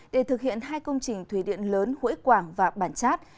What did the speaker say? để thực hiện hai công trình thủy điện lớn hội quảng và bản chát